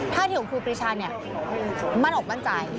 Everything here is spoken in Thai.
ที่ของครูปรีชามั่นอกมั่นใจ